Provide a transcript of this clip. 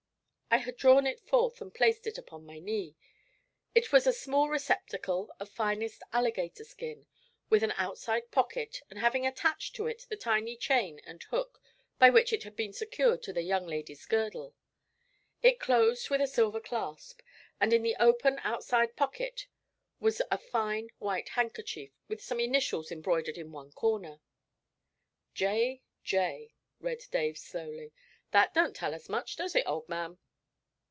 I had drawn it forth and placed it upon my knee. It was a small receptacle of finest alligator skin, with an outside pocket, and having attached to it the tiny chain and hook by which it had been secured to the young lady's girdle. It closed with a silver clasp, and in the open outside pocket was a fine white handkerchief with some initials embroidered in one corner. 'J. J.,' read Dave slowly. 'That don't tell us much, does it, old man?'